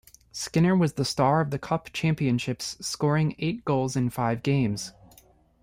Skinner was the star of the Cup championships, scoring eight goals in five games.